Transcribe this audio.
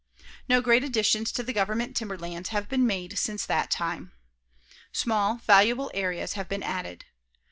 No great additions to the government timberlands have been made since that time. Small, valuable areas have been added.